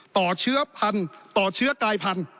ต่อเชื้อพันธุ์ต่อเชื้อกลายพันธุ